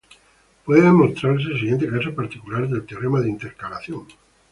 Puede demostrarse el siguiente caso particular del teorema de intercalación.